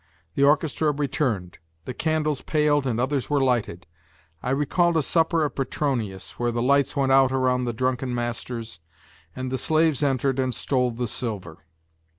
The orchestra returned; the candles paled and others were lighted. I recalled a supper of Petronius where the lights went out around the drunken masters, and the slaves entered and stole the silver.